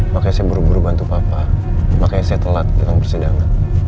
makanya saya buru buru bantu papa makanya saya telat dengan persidangan